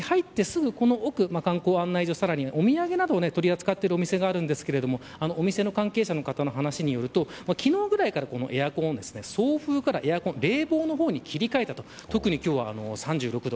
駅に入って、すぐ奥観光案内所、さらにはお土産を取り扱っている店がありますがお店の関係者の話によると昨日ぐらいから、エアコンを送風から冷房の方に切り替えたという。